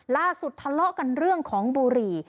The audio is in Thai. ล่าสุดทะเลาะกันเรื่องของบุหรี่